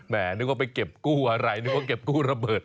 นึกว่าไปเก็บกู้อะไรนึกว่าเก็บกู้ระเบิด